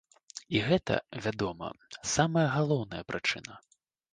І гэта, вядома, самая галоўная прычына.